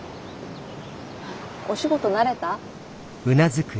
お仕事慣れた？